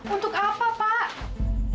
untuk apa pak